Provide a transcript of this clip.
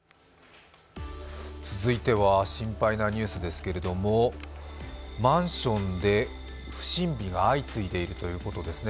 続いては、心配なニュースですけれども、マンションで不審火が相次いでいるということですね。